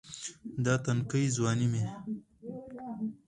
دا تنکے ځواني مې